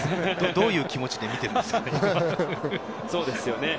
どういう気持ちで見てるんですかね。